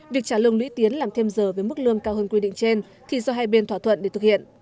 việc trả lương lũy tiến làm thêm giờ với mức lương cao hơn quy định trên thì do hai bên thỏa thuận để thực hiện